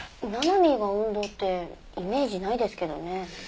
ななみーが運動ってイメージないですけどね。